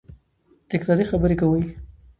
تکراري خبري کوي.